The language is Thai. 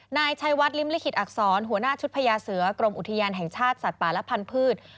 นายชัยวัดริมลิขิตอักษรหัวหน้าชุดพญาเสือกรมอุทยานแห่งชาติสัตว์ป่าและพันธุ์